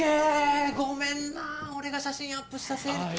ごめんな俺が写真アップしたせいで。